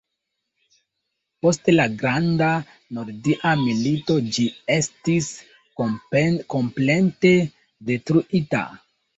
Post la Granda Nordia Milito ĝi estis komplete detruita.